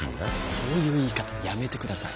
そういう言い方やめてください。